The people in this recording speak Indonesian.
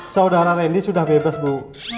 saudara randy sudah bebas bu